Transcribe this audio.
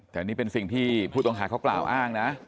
แต่นี่เป็นสิ่งที่ผู้ต้องหาเขากล่าวอ้างนะ